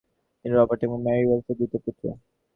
তিনি রবার্ট এবং মেরি ওয়েল্সের দ্বিতীয় পুত্র।